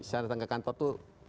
saya datang ke kantor tuh